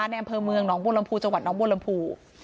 แน่นเพลิงเมืองหนองบูรรณภูจังหวัดหนองบูรรณภู